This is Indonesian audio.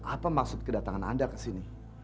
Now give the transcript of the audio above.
apa maksud kedatangan anda kesini